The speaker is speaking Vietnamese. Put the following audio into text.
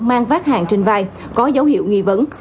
mang vát hàng trên vai có dấu hiệu nghi vấn